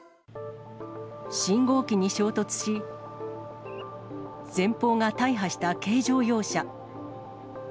信号機に衝突し、前方が大破した軽乗用車。